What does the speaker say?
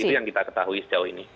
itu yang kita ketahui sejauh ini